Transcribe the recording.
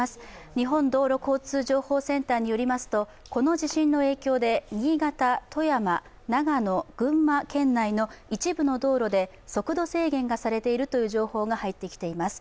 日本道路交通情報センターによりますと、この地震の影響で新潟、富山、長野、群馬県内の一部道路で速度制限がされているという情報が入ってきました。